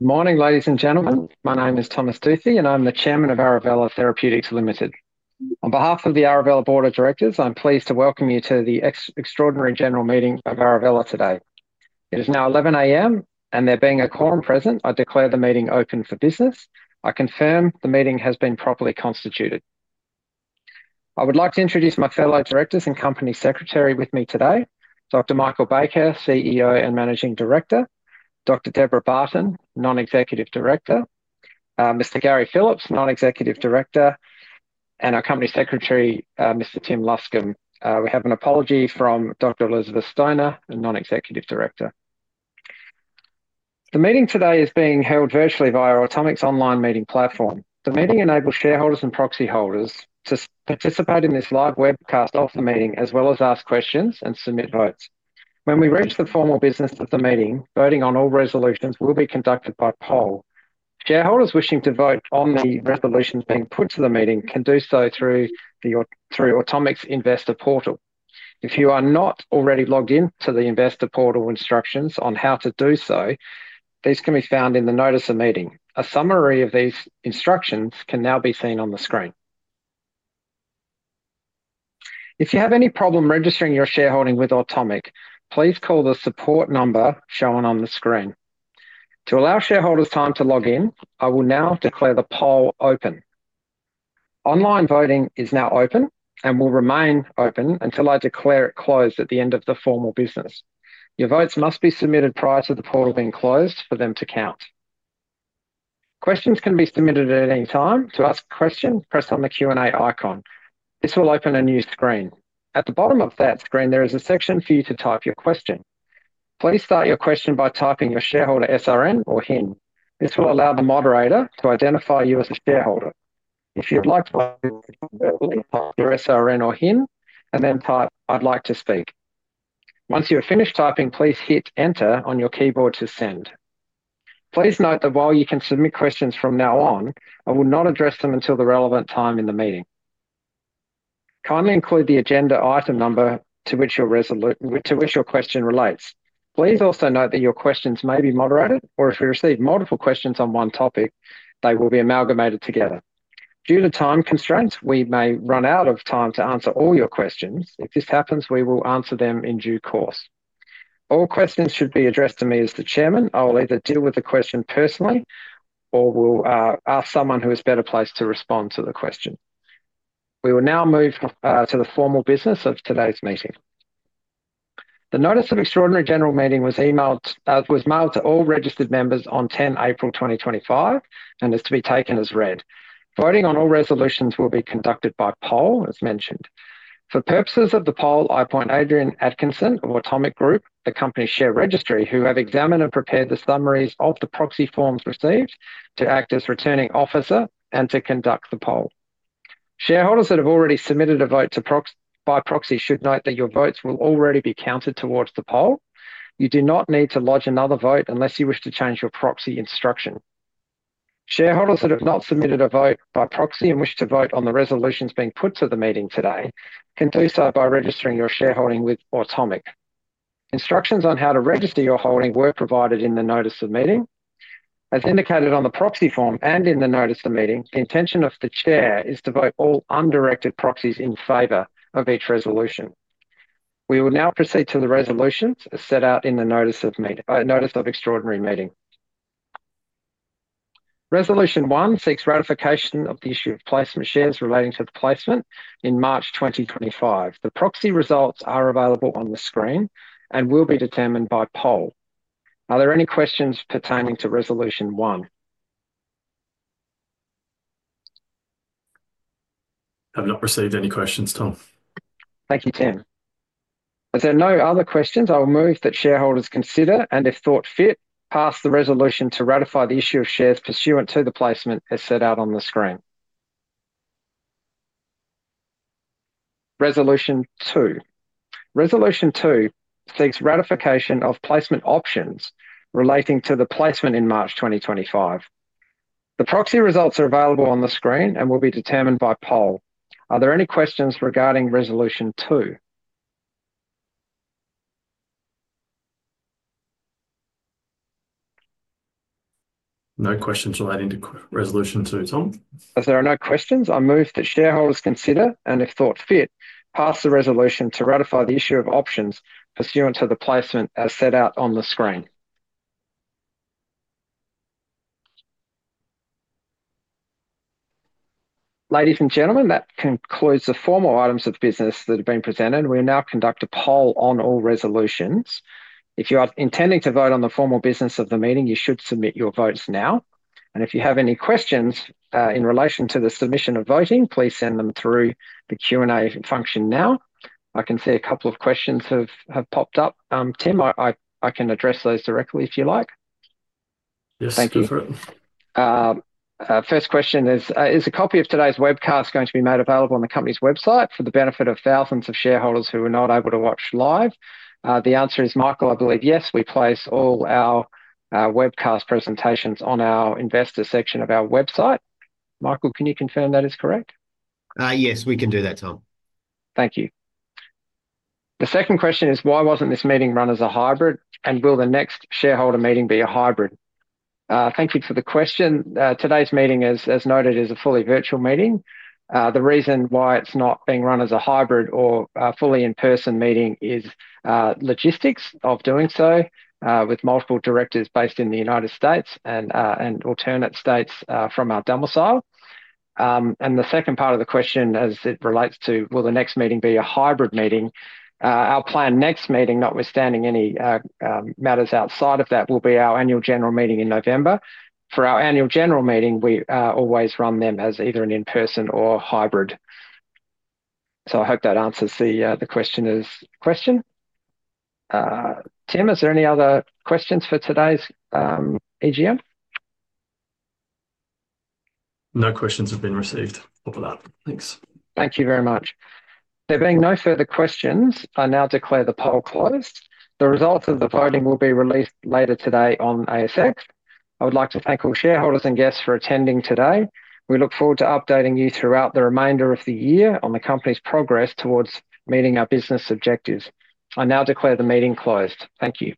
Good morning, ladies and gentlemen. My name is Thomas Duthy, and I'm the Chairman of Arovella Therapeutics. On behalf of the Arovella Board of Directors, I'm pleased to welcome you to the Extraordinary General Meeting of Arovella today. It is now 11:00 A.M., and there being a quorum present, I declare the meeting open for business. I confirm the meeting has been properly constituted. I would like to introduce my fellow directors and Company Secretary with me today, Dr. Michael Baker, CEO and Managing Director; Dr. Deborah Barton, Non-Executive Director; Mr. Gary Phillips, Non-Executive Director; and our Company Secretary, Mr. Tim Luscombe. We have an apology from Dr. Elizabeth Stoner, Non-Executive Director. The meeting today is being held virtually via Automic Group's Online Meeting Platform. The meeting enables shareholders and proxy holders to participate in this live webcast of the meeting, as well as ask questions and submit votes. When we reach the formal business of the meeting, voting on all resolutions will be conducted by poll. Shareholders wishing to vote on the resolutions being put to the meeting can do so through the Automic Investor Portal. If you are not already logged into the Investor Portal, instructions on how to do so can be found in the notice of meeting. A summary of these instructions can now be seen on the screen. If you have any problem registering your shareholding with Automic, please call the support number shown on the screen. To allow shareholders time to log in, I will now declare the poll open. Online voting is now open and will remain open until I declare it closed at the end of the formal business. Your votes must be submitted prior to the poll being closed for them to count. Questions can be submitted at any time. To ask a question, press on the Q&A icon. This will open a new screen. At the bottom of that screen, there is a section for you to type your question. Please start your question by typing your shareholder SRN or HIN. This will allow the moderator to identify you as a shareholder. If you'd like to speak, type your SRN or HIN and then type "I'd like to speak." Once you have finished typing, please hit Enter on your keyboard to send. Please note that while you can submit questions from now on, I will not address them until the relevant time in the meeting. Kindly include the agenda item number to which your question relates. Please also note that your questions may be moderated, or if we receive multiple questions on one topic, they will be amalgamated together. Due to time constraints, we may run out of time to answer all your questions. If this happens, we will answer them in due course. All questions should be addressed to me as the Chairman. I will either deal with the question personally or will ask someone who is better placed to respond to the question. We will now move to the formal business of today's meeting. The notice of Extraordinary General Meeting was mailed to all registered members on 10 April 2025 and is to be taken as read. Voting on all resolutions will be conducted by poll, as mentioned. For purposes of the poll, I appoint Adrienne Atkinson of Automic Group, the company share registry, who have examined and prepared the summaries of the proxy forms received to act as returning officer and to conduct the poll. Shareholders that have already submitted a vote by proxy should note that your votes will already be counted towards the poll. You do not need to lodge another vote unless you wish to change your proxy instruction. Shareholders that have not submitted a vote by proxy and wish to vote on the resolutions being put to the meeting today can do so by registering your shareholding with Automic. Instructions on how to register your holding were provided in the notice of meeting. As indicated on the proxy form and in the notice of meeting, the intention of the Chair is to vote all undirected proxies in favor of each resolution. We will now proceed to the resolutions as set out in the notice of extraordinary meeting. Resolution One seeks ratification of the issue of placement shares relating to the placement in March 2025. The proxy results are available on the screen and will be determined by poll. Are there any questions pertaining to Resolution One? I've not received any questions, Tom. Thank you, Tim. As there are no other questions, I will move that shareholders consider and, if thought fit, pass the resolution to ratify the issue of shares pursuant to the placement as set out on the screen. Resolution Two. Resolution Two seeks ratification of placement options relating to the placement in March 2025. The proxy results are available on the screen and will be determined by poll. Are there any questions regarding Resolution Two? No questions relating to Resolution Two, Tom. As there are no questions, I move that shareholders consider and, if thought fit, pass the resolution to ratify the issue of options pursuant to the placement as set out on the screen. Ladies and gentlemen, that concludes the formal items of business that have been presented. We will now conduct a poll on all resolutions. If you are intending to vote on the formal business of the meeting, you should submit your votes now. If you have any questions in relation to the submission of voting, please send them through the Q&A function now. I can see a couple of questions have popped up. Tim, I can address those directly if you like. Yes, feel free. First question is, is a copy of today's webcast going to be made available on the company's website for the benefit of thousands of shareholders who are not able to watch live? The answer is, Michael, I believe, yes. We place all our webcast presentations on our investor section of our website. Michael, can you confirm that is correct? Yes, we can do that, Tom. Thank you. The second question is, why wasn't this meeting run as a hybrid, and will the next shareholder meeting be a hybrid? Thank you for the question. Today's meeting, as noted, is a fully virtual meeting. The reason why it's not being run as a hybrid or fully in-person meeting is logistics of doing so with multiple directors based in the United States and alternate states from our domicile. The second part of the question, as it relates to, will the next meeting be a hybrid meeting? Our planned next meeting, notwithstanding any matters outside of that, will be our annual general meeting in November. For our annual general meeting, we always run them as either an in-person or hybrid. I hope that answers the questioner's question. Tim, is there any other questions for today's AGM? No questions have been received for that. Thanks. Thank you very much. There being no further questions, I now declare the poll closed. The results of the voting will be released later today on ASX. I would like to thank all shareholders and guests for attending today. We look forward to updating you throughout the remainder of the year on the company's progress towards meeting our business objectives. I now declare the meeting closed. Thank you.